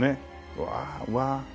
うわうわ